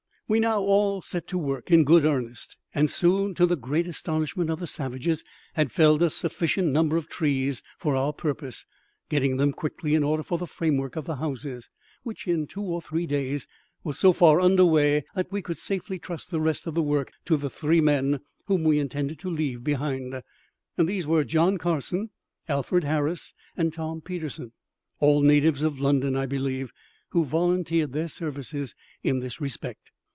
We now all set to work in good earnest, and soon, to the great astonishment of the savages, had felled a sufficient number of trees for our purpose, getting them quickly in order for the framework of the houses, which in two or three days were so far under way that we could safely trust the rest of the work to the three men whom we intended to leave behind. These were John Carson, Alfred Harris, and ___ Peterson (all natives of London, I believe), who volunteered their services in this respect.